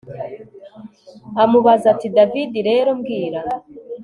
amubaza ati david rero mbwira